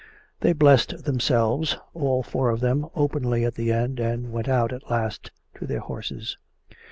They blessed themselves, all four of them, openly at the end, and went out at last to their horses.